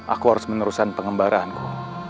aku harus meneruskan pengembaraanku